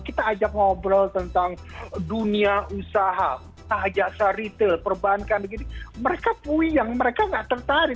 kita ajak ngobrol tentang dunia usaha ajak se retail perbankan mereka puyang mereka nggak tertarik